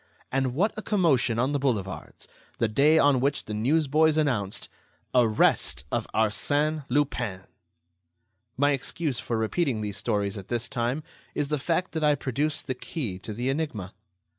And what a commotion on the boulevards, the day on which the newsboys announced: "Arrest of Arsène Lupin!" My excuse for repeating these stories at this time is the fact that I produce the key to the enigma.